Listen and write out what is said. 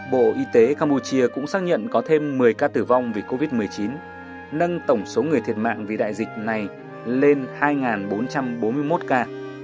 bộ y tế campuchia cũng xác nhận có thêm một mươi ca tử vong vì covid một mươi chín nâng tổng số người thiệt mạng vì đại dịch này lên hai bốn trăm bốn mươi một ca